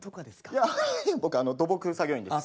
いや僕あの土木作業員です。